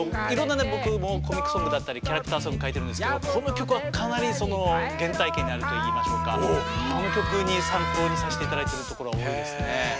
いろんなね僕もコミックソングだったりキャラクターソング書いてるんですけどこの曲はかなりその原体験にあるといいましょうかこの曲に参考にさせて頂いてるところは多いですね。